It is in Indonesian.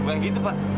bukan gitu pak